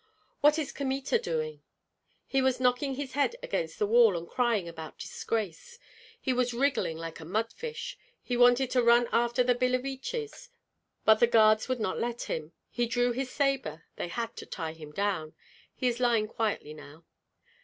"What is Kmita doing?" "He was knocking his head against the wall and crying about disgrace. He was wriggling like a mudfish. He wanted to run after the Billeviches, but the guards would not let him. He drew his sabre; they had to tie him. He is lying quietly now."